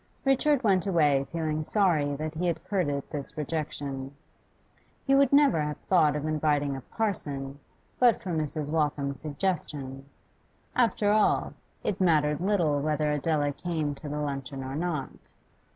Richard went away feeling sorry that he had courted this rejection. He would never have thought of inviting a 'parson' but for Mrs. Waltham's suggestion. After all, it it mattered little whether Adela came to the luncheon or not.